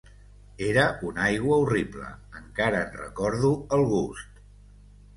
Era una aigua horrible; encara en recordo el gust